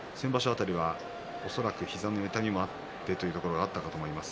辺り恐らく膝の痛みもあってというところがあったと思います。